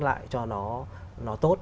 lại cho nó tốt